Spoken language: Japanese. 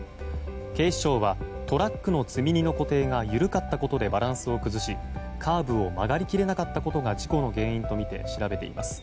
警視庁はトラックの積み荷の固定が緩かったことでバランスを崩しカーブを曲がり切れなかったことが事故の原因とみて調べています。